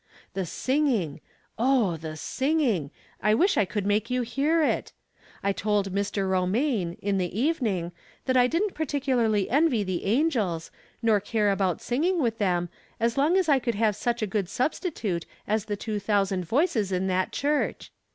The singing ! oh, the singing ! I wish I could make you hear it. I told Mr. Piomaine, in the evening, that I didn't particularly envy the angels, nor care about sing From Different Standpoints. 19 ing with them, as long as I could have such a good substitute as the two thousand voices in that church.